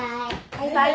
バイバイ。